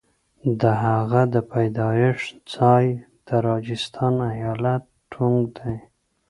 د هغه د پیدایښت ځای د راجستان ایالت ټونک دی.